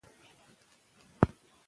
اجازه راکړئ چې زه خپله نظر څرګند کړم.